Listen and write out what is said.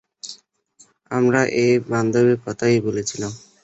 আমার এই বান্ধবীর কথাই বলেছিলাম।